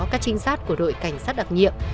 các trinh sát của đội cảnh sát đặc nhiệm